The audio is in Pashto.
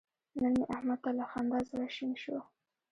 نن مې احمد ته له خندا زړه شین شو.